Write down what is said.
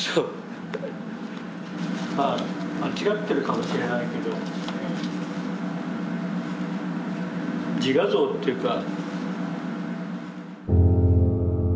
まあ間違ってるかもしれないけど自画像というか。